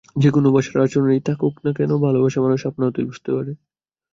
যে-কোন ভাষার আবরণেই থাকুক না কেন, ভালবাসা মানুষ আপনা হতেই বুঝতে পারে।